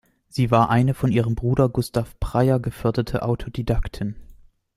Sie war eine von ihrem Bruder Gustav Preyer geförderte Autodidaktin.